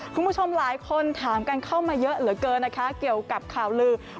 คุณผู้ชมหลายคนถามกันเข้ามาเยอะเหลือเกินนะคะเกี่ยวกับข่าวลือ